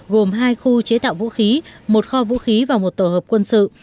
gồm hai khu chế tạo vũ khí một kho vũ khí và một tổ hợp quân sự